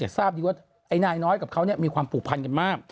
แต่ทราบดีว่าไอน้อยกับเขาเนี่ยมีความผูกพันกันมาก